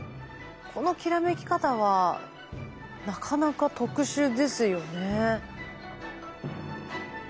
このきらめき方はなかなか特殊ですよね。